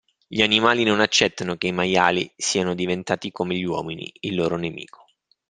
Gli animali non accettano che i maiali siano diventati come gli uomini, il loro nemico.